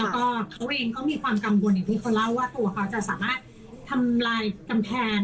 เขาเองก็มีความกังวลที่คนเล่าว่าตัวเขาจะสามารถทำลายกำแพง